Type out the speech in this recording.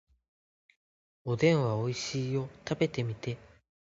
おでんはおいしいよ。食べてみて。